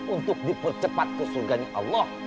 untuk dipercepat ke surganya allah